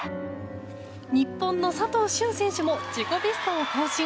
日本の佐藤駿選手も自己ベストを更新。